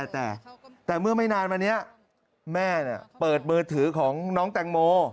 แต่เมื่อไม่นานมานี้แม่เปิดมือถือของน้องแตงโม